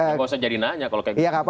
nggak usah jadi nanya ya